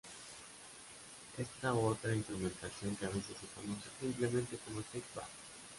Esta u otra instrumentación, que a veces se conoce simplemente como "string band".